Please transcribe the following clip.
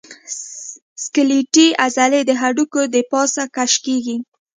سکلیټي عضلې د هډوکو د پاسه کش کېږي.